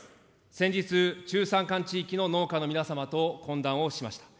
先日、中山間地域の農家の皆様と懇談をしました。